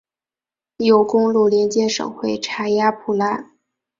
有公路连接省会查亚普拉。